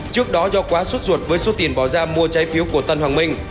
trước đó do quá suốt ruột với số tiền bỏ ra mua trái phiếu của tân hoàng minh